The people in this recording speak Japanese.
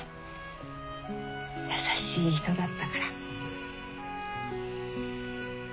優しい人だったから。